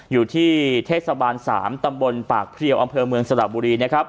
อยู่ที่เทศบาล๓ตำบลปากเพลียวอำเภอเมืองสระบุรีนะครับ